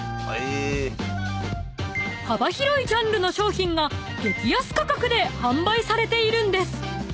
［幅広いジャンルの商品が激安価格で販売されているんです］